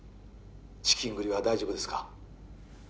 資金繰りは大丈夫ですか？